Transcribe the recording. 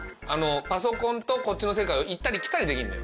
パソコンとこっちの世界を行ったり来たりできんのよ。